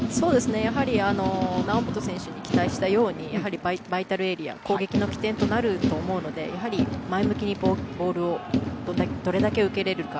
やはり猶本選手に期待したように、バイタルエリア攻撃の起点となると思うので前向きにボールをどれだけ受けられるか。